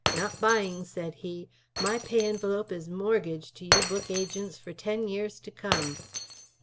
"Not buying," said he. "My pay envelope is mortgaged to you book agents for ten years to come.